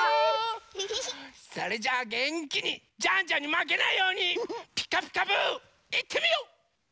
それじゃあげんきにジャンジャンにまけないように「ピカピカブ！」いってみよう！